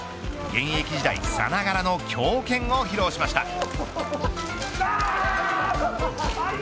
現役時代さながらの強肩を披露しました。